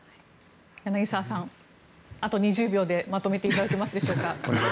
柳澤さん、あと２０秒でまとめていただけますか？